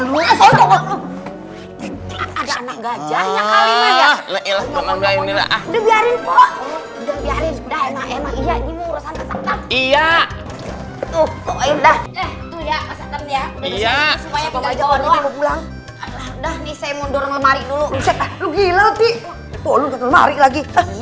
udah nih saya mundur lemari dulu gila lagi